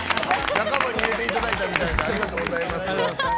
仲間に入れていただいたみたいでありがとうございます。